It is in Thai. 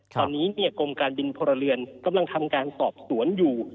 ตอนนี้กรมการบินพลเรือนกำลังทำการสอบสวนอยู่